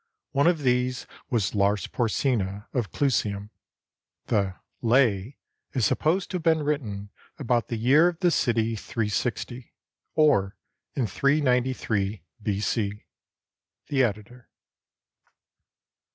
One of these was Lars Porsena of Clusium. The "Lay" is supposed to have been written "about the year of the city ccclx," or in 393 B.C. The Editor.